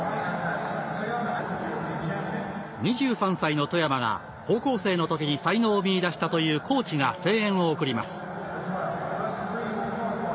２３歳の外山が高校生のときに才能を見いだしたというコーチが声援を送ります。